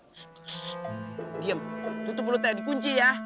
terus diem tutup mulutnya dikunci ya